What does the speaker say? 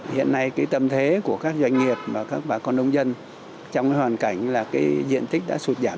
hiện nay tâm thế của các doanh nghiệp và các bà con đông dân trong hoàn cảnh diện tích đã sụt giảm